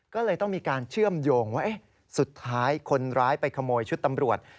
ก็เลยต้องมีการเชื่อมโยงว่าสุดท้ายคนร้ายไปขโมยชุดตำรวจ